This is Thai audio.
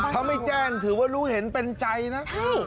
ถ้าไม่แจ้งถือว่ารู้เห็นเป็นใจนะ